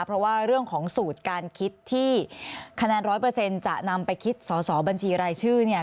เพราะว่าเรื่องของสูตรการคิดที่คะแนน๑๐๐จะนำไปคิดสอสอบัญชีรายชื่อเนี่ย